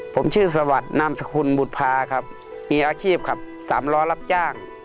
ผมชื่อสวัสดิ์นามสกุลบุภาครับมีอาชีพขับสามล้อรับจ้าง